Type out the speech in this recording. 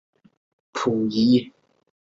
其上可以装备不同的范数。